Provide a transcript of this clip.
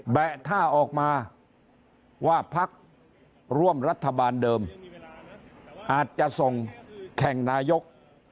ะท่าออกมาว่าพักร่วมรัฐบาลเดิมอาจจะส่งแข่งนายก